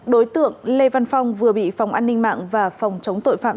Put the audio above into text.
đối tượng lê văn phong vừa bị phòng an ninh mạng và phòng chống tội phạm